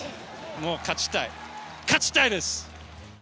もう勝ちたい、勝ちたいです！